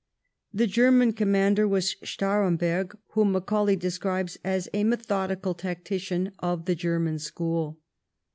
The German commander was Staremberg, whom Macaulay describes as ' a methodical tactician of the German school.'